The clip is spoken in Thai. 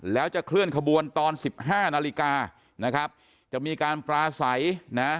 แล้วจะเคลื่อนขบวนตอน๑๕นาฬิกานะครับจะมีการปราศัยนะ